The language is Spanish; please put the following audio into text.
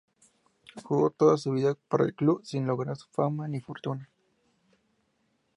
Jugó toda su vida para el club, sin lograr fama ni fortuna.